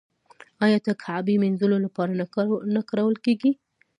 آیا د کعبې مینځلو لپاره نه کارول کیږي؟